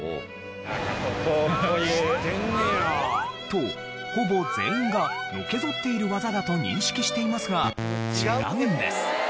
とほぼ全員がのけぞっている技だと認識していますが違うんです。